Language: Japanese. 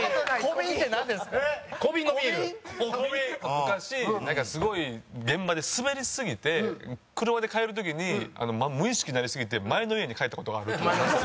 昔なんかすごい現場でスベりすぎて車で帰る時に無意識になりすぎて前の家に帰った事があるって言ってました。